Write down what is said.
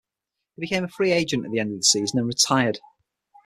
He became a free agent at the end of the season and retired.